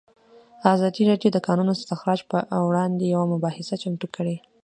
ازادي راډیو د د کانونو استخراج پر وړاندې یوه مباحثه چمتو کړې.